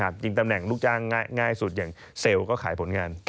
จริงตำแหน่งลูกจ้างง่ายสุดอย่างเซลล์ก็ขายผลงาน